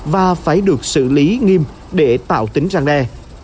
và phải được xử lý nghiêm để tạo tính răn đe